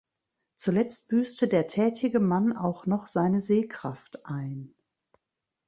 Zuletzt büßte der tätige Mann auch noch seine Sehkraft ein.